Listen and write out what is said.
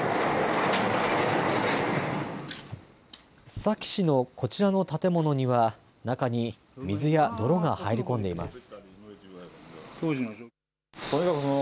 須崎市のこちらの建物には、中に水や泥が入り込んでいます。